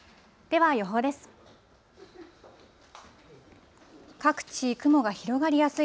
では予報です。